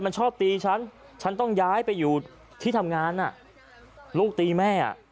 มันชอบตีฉันฉันต้องย้ายไปอยู่ที่ทำงานลูกตีแม่อ่ะ